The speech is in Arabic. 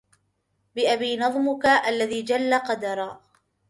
بأبي نظمك الذي جل قدرا